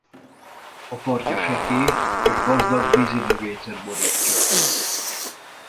A partja sekély és gazdag vízi növényzet borítja.